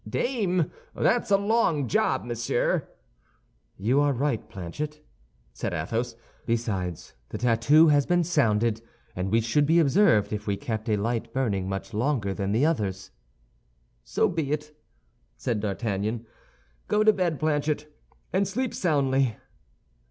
"Dame, that's a long job, monsieur." "You are right, Planchet," said Athos; "besides, the tattoo has been sounded, and we should be observed if we kept a light burning much longer than the others." "So be it," said D'Artagnan. "Go to bed, Planchet, and sleep soundly."